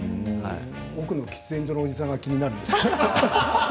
奥の喫煙所のおじさんが気になる。